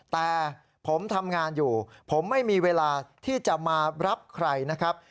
แต่ผมทำงานอยู่ผมไม่มีเวลาที่จะมารับใครนะครับ